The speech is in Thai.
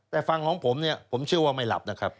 แต่ฟังของผมผมเชื่อว่าไม่หลับนะครับ